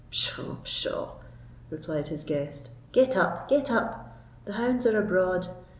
"Pschaw, pshaw!" replied his guest; "get up—get up; the hounds are abroad.